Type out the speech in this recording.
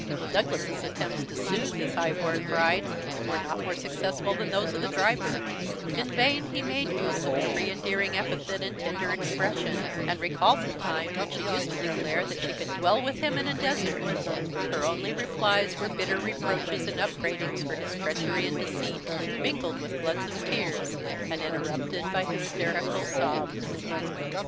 Douglas's attempts to soothe his high born bride were not more successful than those of the driver: in vain he made use of every endearing epithet and tender expression, and recalled the time when she used to declare that she could dwell with him in a desert; her only replies were bitter reproaches and upbraidings for his treachery and deceit, mingled with floods of tears, and interrupted by hysterical sobs.